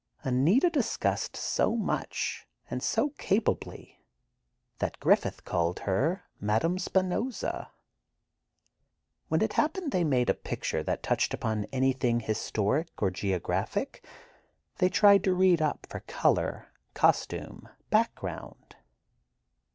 Anita discussed so much, and so capably, that Griffith called her "Madame Spinoza." When it happened that they made a picture that touched upon anything historic or geographic, they tried to "read up" for color, costume, background.